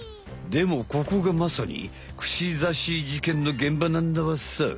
でもここがまさにくしざし事件のげんばなんだわさ。